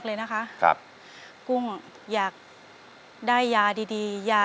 เปลี่ยนเพลงเก่งของคุณและข้ามผิดได้๑คำ